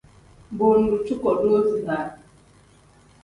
Bo ngdu cuko doozi da.